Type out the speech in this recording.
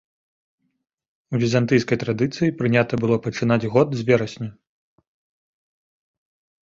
У візантыйскай традыцыі прынята было пачынаць год з верасня.